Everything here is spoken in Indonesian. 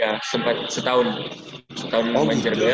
ya sempat setahun setahun main seri b a o